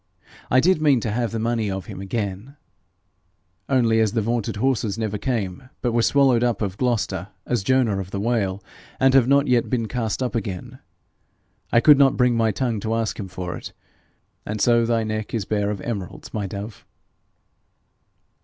I did mean to have the money of him again, only as the vaunted horses never came, but were swallowed up of Gloucester, as Jonah of the whale, and have not yet been cast up again, I could not bring my tongue to ask him for it; and so thy neck is bare of emeralds, my dove.'